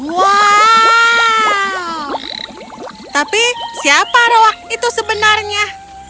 wow tapi siapa roa itu sebenarnya